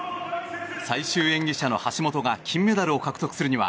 最終演技者の橋本が金メダルを獲得するには